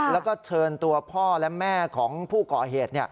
แล้วก็เชิญตัวพ่อและแม่ของผู้ก่อเหตุ